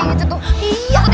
itu kenapa nangis asun tuh